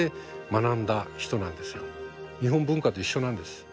日本文化と一緒なんです。